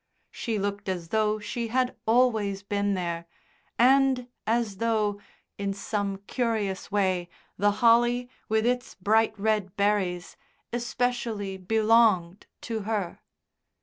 She looked as though she had always been there, and as though, in some curious way, the holly, with its bright red berries, especially belonged to her.